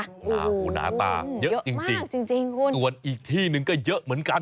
โหน้ำปลาเยอะจริงส่วนอีกที่นึงก็เยอะเหมือนกัน